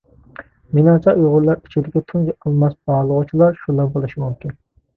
مېنىڭچە، ئۇيغۇرلار ئىچىدىكى تۇنجى ئالماس باھالىغۇچىلار شۇلار بولۇشى مۇمكىن.